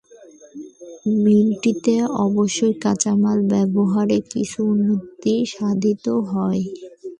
মিলটিতে অবশ্য কাঁচামাল ব্যবহারে কিছু উন্নতি সাধিত হয়।